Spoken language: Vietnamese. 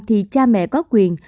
thì cha mẹ có quyền